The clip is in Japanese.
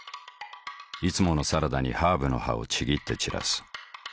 いつものサラダにハーブの葉をちぎって散らす。